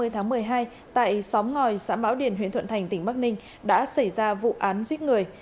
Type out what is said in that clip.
hai mươi tháng một mươi hai tại xóm ngòi xã mão điền huyện thuận thành tỉnh bắc ninh đã xảy ra vụ án giết người